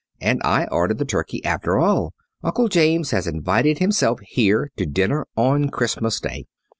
And I ordered the turkey after all. Uncle James has invited himself here to dinner on Christmas Day.